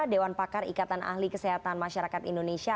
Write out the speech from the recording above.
dewan pakar ikatan ahli kesehatan masyarakat indonesia